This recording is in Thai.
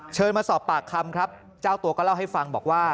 มาสอบปากคำครับเจ้าตัวก็เล่าให้ฟังบอกว่า